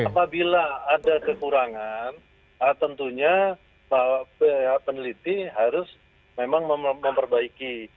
apabila ada kekurangan tentunya peneliti harus memang memperbaiki